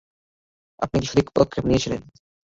আপনি একটি সঠিক পদক্ষেপ নিয়েছিলেন।